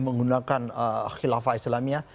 menggunakan khilafah islamia